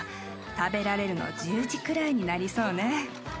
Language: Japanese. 食べられるの１０時くらいになりそうね。